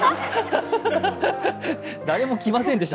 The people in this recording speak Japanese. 誰も来ませんでした、